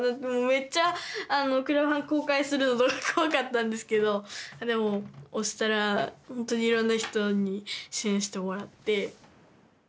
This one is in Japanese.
めっちゃクラファン公開するのとか怖かったんですけどでも押したらほんとにいろんな人に支援してもらって。